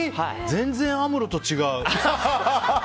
全然、アムロと違う！